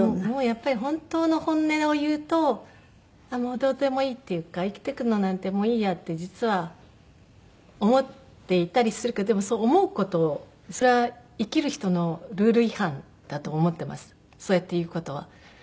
もうやっぱり本当の本音を言うともうどうでもいいっていうか生きていくのなんてもういいやって実は思っていたりするけどでもそう思う事それは生きる人のルール違反だと思ってますそうやって言う事は。